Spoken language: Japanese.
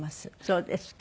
そうですか。